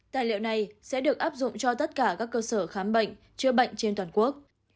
tài liệu này sẽ được áp dụng cho tất cả các cơ sở khám bệnh chữa bệnh trên toàn quốc